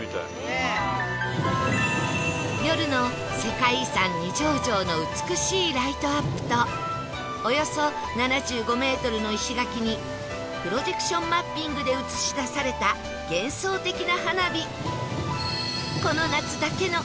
夜の世界遺産二条城の美しいライトアップとおよそ７５メートルの石垣にプロジェクションマッピングで映し出された幻想的な花火